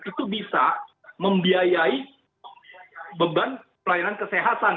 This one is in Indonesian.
itu bisa membiayai beban pelayanan kesehatan